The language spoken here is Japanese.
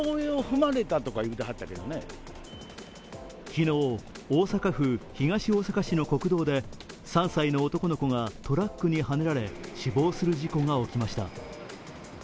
昨日、大阪府東大阪市の国道で３歳の男の子がトラックにはねられ死亡する事故が起きました。